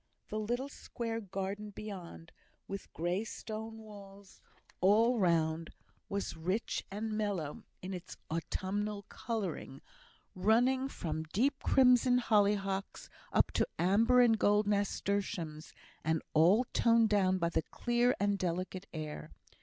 The little square garden beyond, with grey stone walls all round, was rich and mellow in its autumnal colouring, running from deep crimson hollyhocks up to amber and gold nasturtiums, and all toned down by the clear and delicate air.